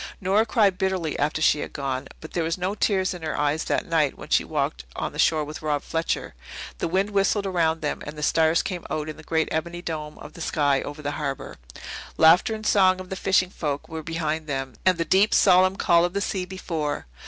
Nora cried bitterly after she had gone. But there were no tears in her eyes that night when she walked on the shore with Rob Fletcher. The wind whistled around them, and the stars came out in the great ebony dome of the sky over the harbour. Laughter and song of the fishing folk were behind them, and the deep, solemn call of the sea before.